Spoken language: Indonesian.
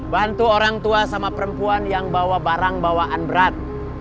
bantu orang tua sama perempuan yang bawa barang bawaan berat